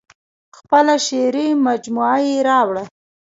خپله شعري مجموعه یې راوړه.